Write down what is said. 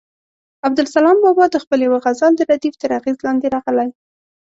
عبدالسلام بابا د خپل یوه غزل د ردیف تر اغېز لاندې راغلی.